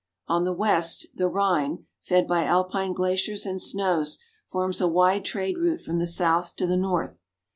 On the west the Rhine, fed by Alpine glaciers and snows, forms a wide trade route from the south to the north.